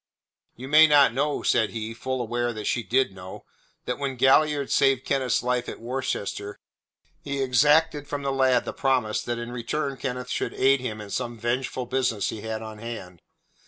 "You may not know," said he full well aware that she did know "that when Galliard saved Kenneth's life at Worcester he exacted from the lad the promise that in return Kenneth should aid him in some vengeful business he had on hand."